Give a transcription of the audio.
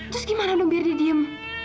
terus gimana nung biar dia diem